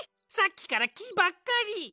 さっきからきばっかり！